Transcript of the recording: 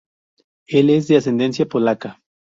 Él es de ascendencia polaca.